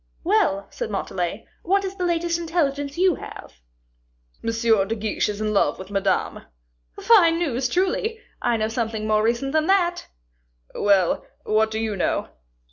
"Well," said Montalais, "what is the latest intelligence you have?" "M. de Guiche is in love with Madame." "Fine news, truly! I know something more recent than that." "Well, what do you know?"